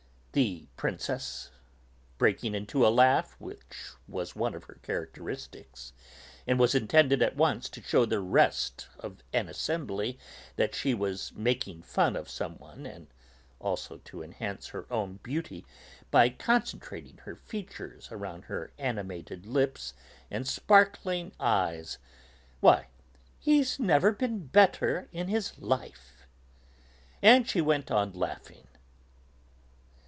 The Princess, breaking into a laugh which was one of her characteristics, and was intended at once to shew the rest of an assembly that she was making fun of some one and also to enhance her own beauty by concentrating her features around her animated lips and sparkling eyes, answered: "Why; he's never been better in his life!" And she went on laughing.